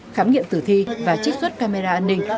khám nghiệm tử thi và trích xuất camera an ninh